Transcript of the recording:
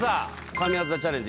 神業チャレンジ